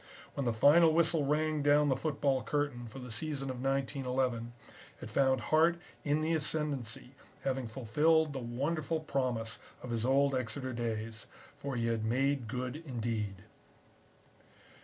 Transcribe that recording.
When the final whistle rang down the football curtain for the season of 1911 it found Hart in the ascendancy having fulfilled the wonderful promise of his old Exeter days. For he had made good indeed.